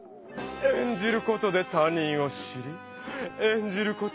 演じることで「他人」を知り演じることで「自分」を知る。